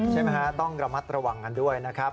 ใช่ไหมฮะต้องระมัดระวังกันด้วยนะครับ